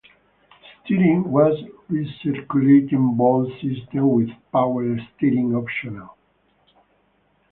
Steering was recirculating ball system, with power steering optional.